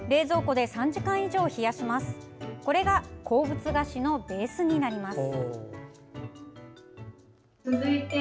これが鉱物菓子のベースになります。